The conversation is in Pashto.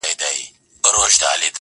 بیا مُلا سو بیا هغه د سیند څپې سوې-